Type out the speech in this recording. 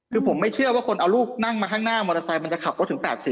คือผมไม่เชื่อว่าคนเอาลูกนั่งมาข้างหน้ามอเตอร์ไซค์มันจะขับรถถึง๘๐